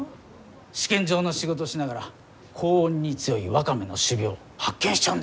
試験場の仕事しながら高温に強いワカメの種苗発見しちゃうんですから。